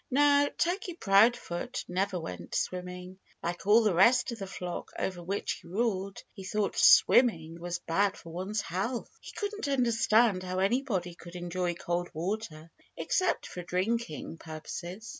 Now, Turkey Proudfoot never went swimming. Like all the rest of the flock over which he ruled, he thought swimming was bad for one's health. He couldn't understand how anybody could enjoy cold water, except for drinking purposes.